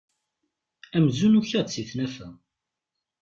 Amzun ukiɣ-d si tnafa.